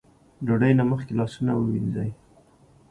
ډوډۍ نه مخکې لاسونه ووينځئ ـ